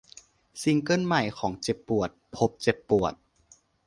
ซิงเกิลใหม่ของ เจ็บปวด พบเจ็บปวด